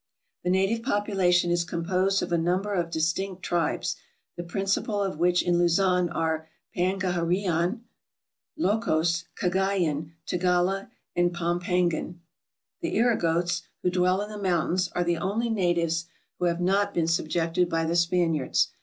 The native population is composed of a number of dis tinct tribes, the principal of which in Luzon are Pangarihan, Ylocos, Cagayan, Tagala, and Pampangan. The Irogotes, who dwell in the mountains, are the only natives who have not been subjected by the Spaniards.